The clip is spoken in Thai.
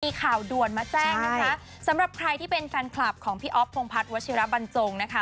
มีข่าวด่วนมาแจ้งนะคะสำหรับใครที่เป็นแฟนคลับของพี่อ๊อฟพงพัฒนวัชิระบันจงนะคะ